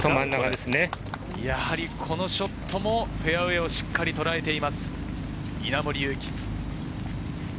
やはりこのショットもフェアウエーをしっかりとらえています、稲森佑貴。